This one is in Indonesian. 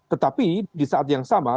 tetapi di saat yang sama